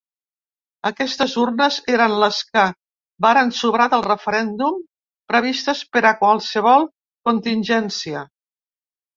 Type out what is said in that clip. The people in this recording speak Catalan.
Aquestes urnes eren les que varen sobrar del referèndum, previstes per a qualsevol contingència.